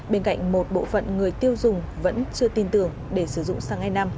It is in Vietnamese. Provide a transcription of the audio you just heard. bên cạnh một bộ phận người tiêu dùng vẫn chưa tin tưởng để sử dụng xăng e năm